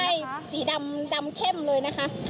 กวนกลุ่มได้สีดำเข้มเลยนะคะ